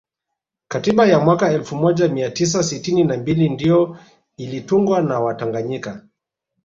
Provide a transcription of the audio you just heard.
Katiba ya mwaka elfu moja mia tisa sitini na mbili ndiyo ilitungwa na watanganyika